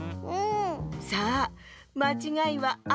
さあまちがいはあと１つ。